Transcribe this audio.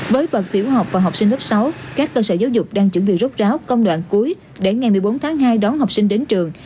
với bậc tiểu học và học sinh lớp sáu các cơ sở giáo dục đang chuẩn bị rút ráo công đoạn cuối để ngày một mươi bốn tháng hai đón học sinh đến trường